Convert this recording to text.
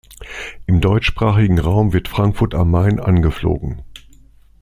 Im deutschsprachigen Raum wird Frankfurt am Main angeflogen.